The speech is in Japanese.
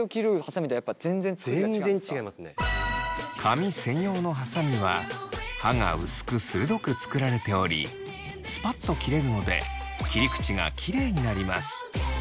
普通の髪専用のはさみは刃が薄く鋭く作られておりスパッと切れるので切り口がきれいになります。